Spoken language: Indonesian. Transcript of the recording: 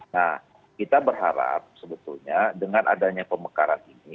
nah kita berharap sebetulnya dengan adanya pemekaran ini